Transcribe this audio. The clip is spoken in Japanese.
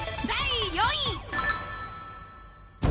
第４位。